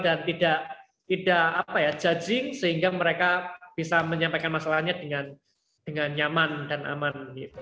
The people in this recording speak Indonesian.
dan tidak judging sehingga mereka bisa menyampaikan masalahnya dengan nyaman dan aman